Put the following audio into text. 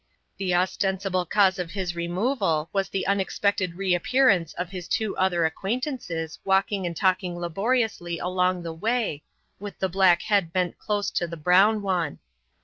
The ostensible cause of his removal was the unexpected reappearance of his two other acquaintances walking and talking laboriously along the way, with the black head bent close to the brown one.